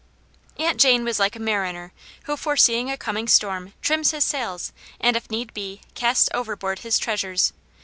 245 Aunt Jane was like a mariner, who, foreseeing a coming storm, trims his sails, and, if need be, casts overboard his treasures.